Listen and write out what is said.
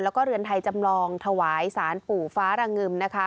แล้วก็เรือนไทยจำลองถวายสารปู่ฟ้าระงึมนะคะ